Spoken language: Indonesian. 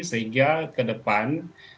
sehingga ke depan